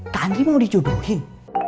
kak andri mau di jodohin